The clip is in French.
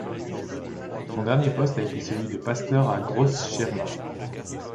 Son dernier poste a été celui de pasteur à Großschirma.